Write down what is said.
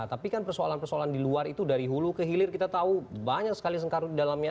tapi kan persoalan persoalan di luar itu dari hulu ke hilir kita tahu banyak sekali sengkaru di dalamnya